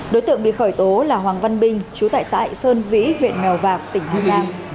đối tượng bị khởi tố là hoàng văn binh chú tại xã hị sơn vĩ huyện mèo vạc tỉnh hà giang